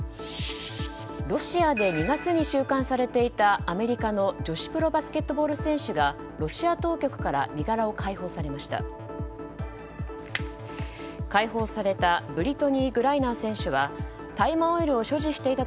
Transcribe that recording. ロシアで２月に収監されていたアメリカの女子プロバスケットボール選手がロシア当局から身柄を解放されました。